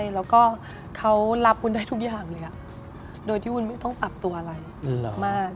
แล้วก็เขารับวุ้นได้ทุกอย่างเลยโดยที่วุ้นไม่ต้องปรับตัวอะไรมาก